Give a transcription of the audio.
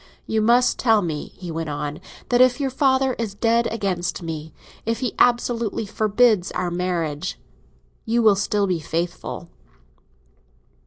"You must tell me," he went on, "that if your father is dead against me, if he absolutely forbids our marriage, you will still be faithful."